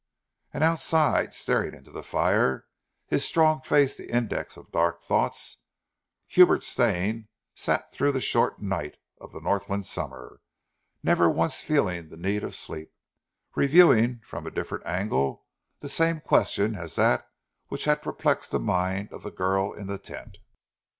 And outside, staring into the fire, his strong face the index of dark thoughts, Hubert Stane sat through the short night of the Northland summer, never once feeling the need of sleep, reviewing from a different angle the same question as that which had perplexed the mind of the girl in the tent.